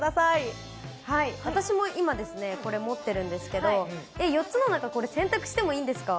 私も今ですね、これ、持ってるんですけど、４つの中、これ選択してもいいんですか。